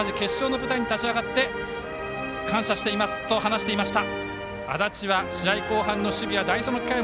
お父さんと同じくこの舞台に立ち上がって感謝していますと話していました。